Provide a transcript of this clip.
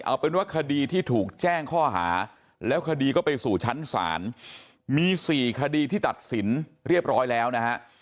เอาเป็นว่าคดีที่ถูกแจ้งข้อหาแล้วคดีก็ไปสู่ชั้นศาลมี๔คดีที่ตัดสินเรียบร้อยแล้วนะฮะ